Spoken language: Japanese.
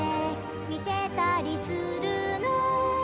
「見てたりするの」